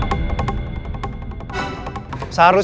yang mewaverakan nekon